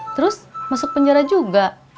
terus masuk penjara juga